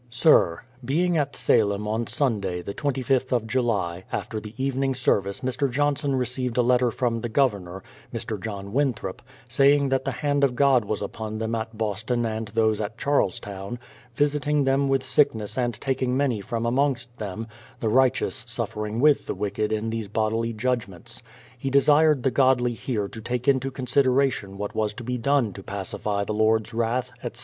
Sir, Being at Salem on Sunday, the 25th of July, after the evening service Mr. Johnson received a letter from the Governor, Mr. John Winthrop, saying that the hand of God was upon them at Boston and those at Charlestown, visiting them Vi^ith sickness and taking many from amongst them, the righteous suffering with, the wicked in these bodily judgments. He desired the godly here to take into consideration what was to be done to pacify Ae Lord's wrath, etc.